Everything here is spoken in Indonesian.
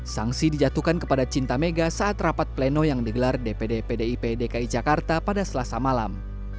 sanksi dijatuhkan kepada cinta mega saat rapat pleno yang digelar dpd pdip dki jakarta pada selasa malam